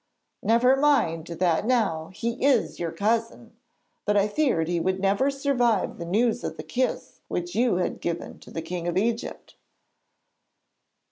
'Never mind that now. He is your cousin! But I feared he would never survive the news of the kiss which you had given to the King of Egypt.'